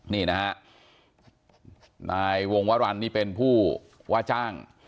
นี่นะฮะนายวงวรรณนี่เป็นผู้ว่าจ้าง